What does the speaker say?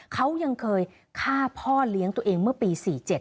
เขายังเคยฆ่าพ่อเลี้ยงตัวเองเมื่อปี๔๗